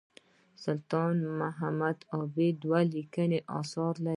سلطان محمد عايل دوه لیکلي اثار لري.